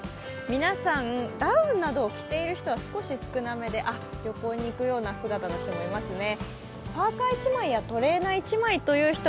皆さん、ダウンなどを着ている人は少し少なめで旅行に行くような姿の人もいますね。